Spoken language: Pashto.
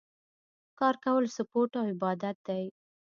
کار کول سپورټ او عبادت دی